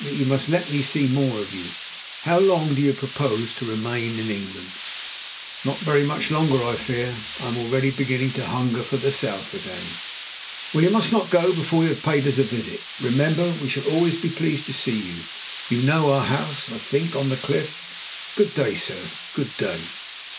You must let me see more of you! How long do you propose remaining in England?" "Not very much longer, I fear. I am already beginning to hunger for the South again." "Well, you must not go before you have paid us a visit. Remember we shall always be pleased to see you. You know our house, I think, on the cliff. Good day, sir, good day."